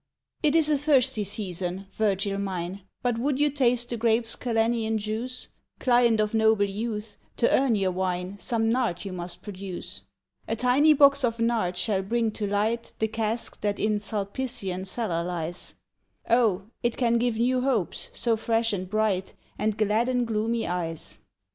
It is a thirsty season, Virgil mine: But would you taste the grape's Calenian juice, Client of noble youths, to earn your wine Some nard you must produce. A tiny box of nard shall bring to light The cask that in Sulpician cellar lies: O, it can give new hopes, so fresh and bright, And gladden gloomy eyes.